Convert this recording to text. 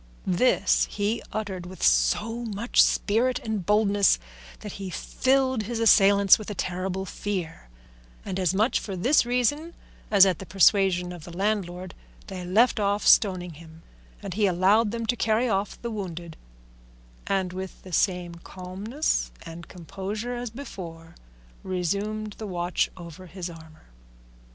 This he uttered with so much spirit and boldness that he filled his assailants with a terrible fear, and as much for this reason as at the persuasion of the landlord they left off stoning him, and he allowed them to carry off the wounded, and with the same calmness and composure as before resumed the watch over his armour.